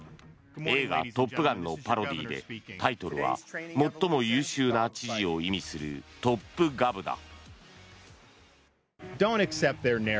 映画「トップガン」のパロディーでタイトルは最も優秀な知事を意味する「トップガブ」だ。